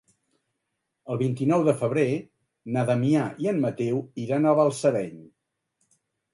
El vint-i-nou de febrer na Damià i en Mateu iran a Balsareny.